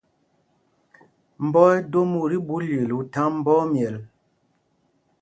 Mbɔ ɛdom ú tí ɓu lyel ú thaŋ mbɔ ɛmyɛl.